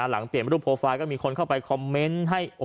หลังเปลี่ยนรูปโปรไฟล์ก็มีคนเข้าไปคอมเมนต์ให้